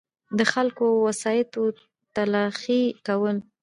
دخلګو او وسایطو تلاښي کول